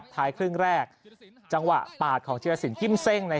ท้ายครึ่งแรกจังหวะปาดของธิรสินกิ้มเซ่ง